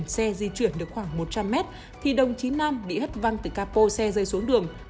khi ông lý điều khiển xe di chuyển được khoảng một trăm linh m thì đồng chí nam bị hất văng từ capo xe rơi xuống đường